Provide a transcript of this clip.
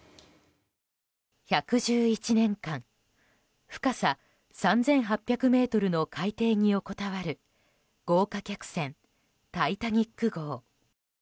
１１１年間、深さ３８００ｍの海底に横たわる豪華客船「タイタニック号」。